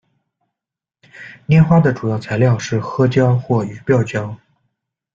粘花的主要材料是呵胶或鱼鳔胶。